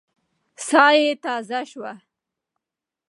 ساه يې تازه شوه.